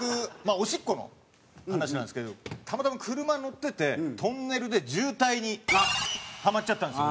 おしっこの話なんですけどたまたま車に乗っててトンネルで渋滞にはまっちゃったんですよ。